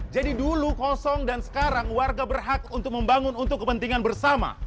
jadi dulu kosong dan sekarang warga berhak untuk membangun untuk kepentingan bersama